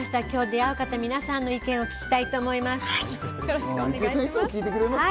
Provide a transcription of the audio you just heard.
今日出会う方、皆さんの意見を聞きたいと思います。